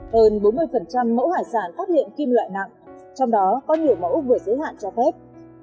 hơn bốn mươi mẫu hải sản phát hiện kim loại nặng trong đó có nhiều mẫu vừa giới hạn cho phép